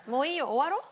終わろう。